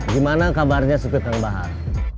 gimana kabarnya suketan bahar